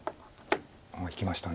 いきました。